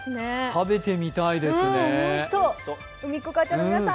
食べていみたいですね。